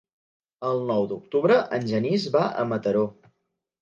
El nou d'octubre en Genís va a Mataró.